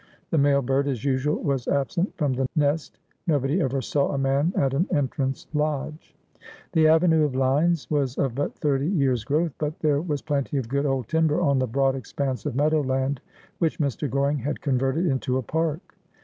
The male bird as usual was absent from the nest. Nobody ever saw a man at an entrance lodge. The avenue of limes was of but thirty years' growth, but there was plenty of good old timber on the broad expanse of meadow land which Mr. Goring had converted into a park.